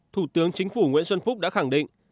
thủ tướng chính phủ nguyễn xuân phúc đã khẳng định